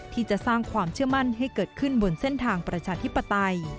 ที่จะสร้างความเชื่อมั่นให้เกิดขึ้นบนเส้นทางประชาธิปไตย